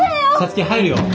皐月入るよ。